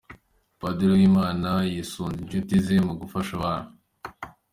Padiri Uwimana yisunze inshuti ze mu gufasha abana.